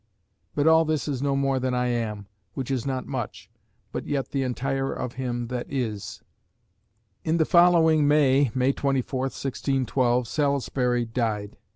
But all this is no more than I am, which is not much, but yet the entire of him that is " In the following May (May 24, 1612) Salisbury died.